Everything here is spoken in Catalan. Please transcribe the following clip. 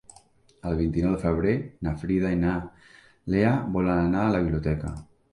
El vint-i-nou de febrer na Frida i na Lea volen anar a la biblioteca.